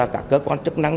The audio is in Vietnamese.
các cơ quan chức năng